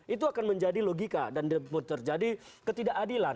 itu akan menjadi logika dan terjadi ketidakadilan